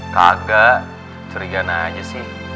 kagak curigaan aja sih